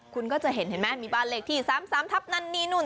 คุณก็จะเห็นเห็นไหมมีบ้านเลขที่๓๓ทับนั่นนี่นู่น